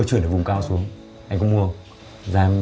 thôi cái đoạn đấy